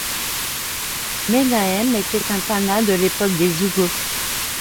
Menahem était un Tanna de l'époque des Zougot.